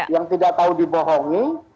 yang tidak tahu dibohongi